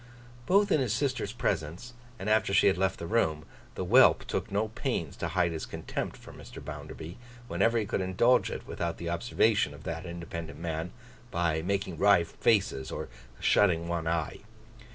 Both in his sister's presence, and after she had left the room, the whelp took no pains to hide his contempt for Mr. Bounderby, whenever he could indulge it without the observation of that independent man, by making wry faces, or shutting one eye.